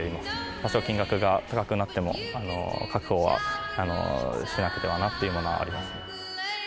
多少金額が高くなっても、確保はしなくてはなというのはありますね。